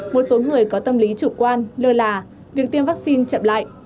một số người có tâm lý chủ quan lơ là việc tiêm vaccine chậm lại